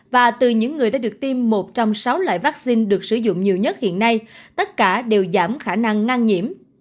và từ những người đã được tiêm một trong sáu loại vaccine được sử dụng nhiều nhất hiện nay tất cả đều giảm khả năng ngang nhiễm